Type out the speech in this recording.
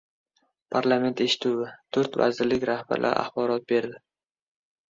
Parlament eshituvi: To‘rt vazirlik rahbarlari axborot berdi